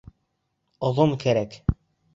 Оҙон кәрәк!